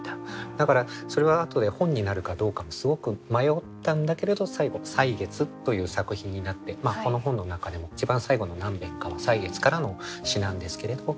だからそれは後で本になるかどうかもすごく迷ったんだけれど最後「歳月」という作品になってこの本の中でも一番最後の何べんかは「歳月」からの詩なんですけれど。